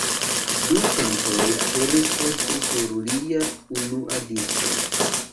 Du kantoj aperis poste sur lia unua disko.